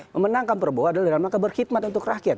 memenangkan prabowo adalah dalam langkah berkhidmat untuk rakyat